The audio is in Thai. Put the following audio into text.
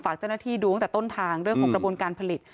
เจ้าหน้าที่ดูตั้งแต่ต้นทางเรื่องของกระบวนการผลิต